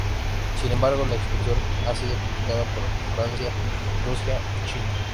Sin embargo, la expresión ha sido criticada por Francia, Rusia y China.